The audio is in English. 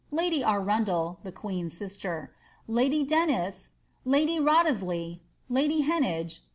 Lady Arundel (the queen's sister). Lady Dennys. Lady Wriothcsley. Lady Heneage.